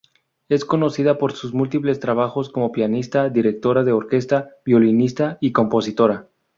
Es conocida por sus múltiples trabajos como pianista, directora de orquesta, violinista, y compositora.